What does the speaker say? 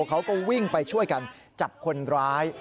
เขาก็วิ่งไปช่วยกันจับคนร้าย